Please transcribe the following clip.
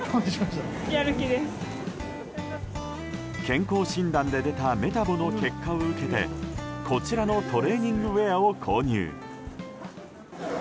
健康診断で出たメタボの結果を受けてこちらのトレーニングウェアを購入。